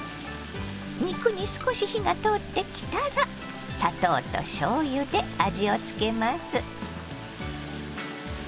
肉に少し火が通ってきたら砂糖としょうゆで味を付けます。